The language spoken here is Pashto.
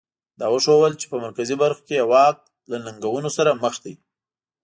دا وښودل چې په مرکزي برخو کې یې واک له ننګونو سره مخ دی.